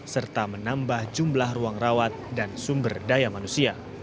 serta menambah jumlah ruang rawat dan sumber daya manusia